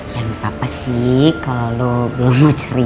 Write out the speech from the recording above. ya gak apa apa sih kalo lo belum mau cerita